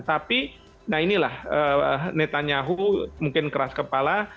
tapi nah inilah netanyahu mungkin keras kepala